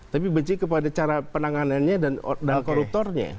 tapi benci kepada cara penanganannya dan koruptornya